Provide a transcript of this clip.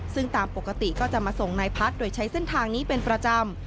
ซึ่งตามปกติก็จะมาส่งนายพัฒน์โดยใช้เส้นทางนี้เป็นประจำ